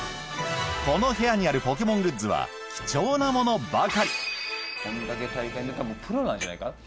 この部屋にあるポケモングッズは貴重なものばかりこんだけ大会に出たらプロなんじゃないか？